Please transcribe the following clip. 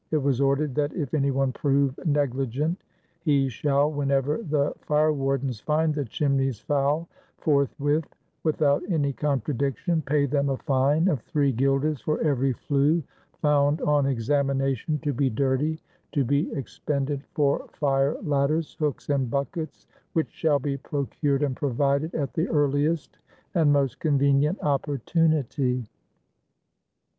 It was ordered that "if anyone prove negligent he shall, whenever the Firewardens find the chimneys foul, forthwith without any contradiction, pay them a fine of three guilders for every flue found on examination to be dirty, to be expended for fire ladders, hooks and buckets, which shall be procured and provided at the earliest and most convenient opportunity."